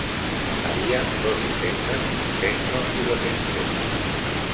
Había dos defensas, el centro y los extremos.